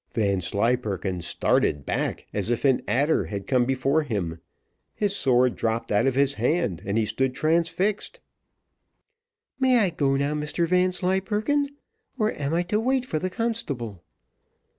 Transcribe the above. Vanslyperken started back as if an adder had come before him, his sword dropped out of his hand, he stood transfixed. "May I go now, Mr Vanslyperken, or am I to wait for the constable?